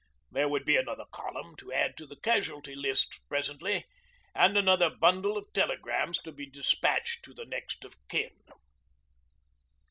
There would be another column to add to the Casualty Lists presently, and another bundle of telegrams to be despatched to the 'Next of Kin.'